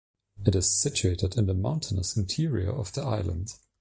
It is situated in the mountainous interior of the island.